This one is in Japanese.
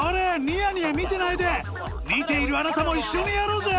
ニヤニヤ見てないで見ているあなたも一緒にやろうぜ！